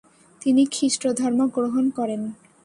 তিনি খ্রিষ্টধর্ম গ্রহণ করেন।